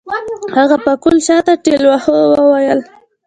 هغه پکول شاته ټېلوهه وويل.